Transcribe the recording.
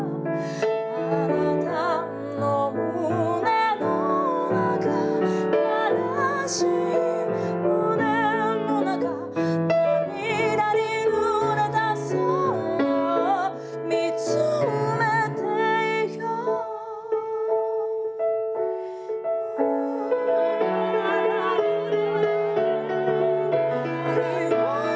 「あなたの胸の中悲しい胸の中」「涙にぬれた空を見つめていよう」「希望のうた」